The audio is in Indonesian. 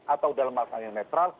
atau dalam masa yang netral